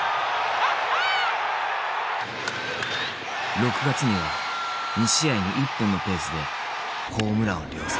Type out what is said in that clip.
６月には２試合に１本のペースでホームランを量産。